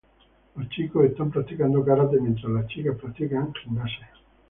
Los chicos están practicando karate, mientras las chicas practican gimnasia.